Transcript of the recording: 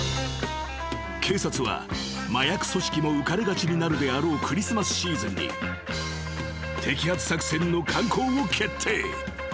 ［警察は麻薬組織も浮かれがちになるであろうクリスマスシーズンに摘発作戦の敢行を決定］